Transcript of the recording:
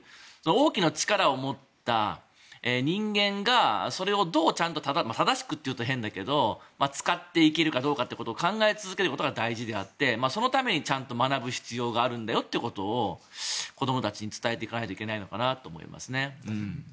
大きな力を持った人間がそれをどうちゃんと正しくと言うと変だけど使っていけるかどうかってことを考え続けることが大事であってそのためにちゃんと学ぶ必要があるんだよということを子どもたちに伝えていかないといけないのかなと思いますね。